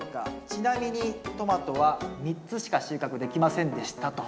ちなみにトマトは３つしか収穫できませんでした」と。